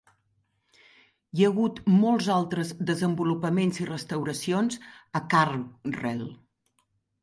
Hi ha hagut molts altres desenvolupaments i restauracions a Caergwrle.